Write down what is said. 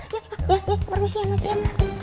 ya ya ya permisi ya mas ya